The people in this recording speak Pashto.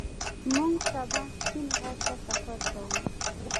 موږ سبا سپین غره ته سفر کوو